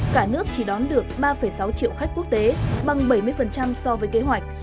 cả nước chỉ đón được ba sáu triệu khách quốc tế bằng bảy mươi so với kế hoạch